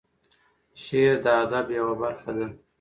شعر د ادب یوه برخه ده.